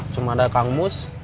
cuma ada kang mus